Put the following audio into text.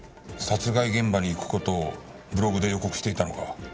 殺害現場に行く事をブログで予告していたのか。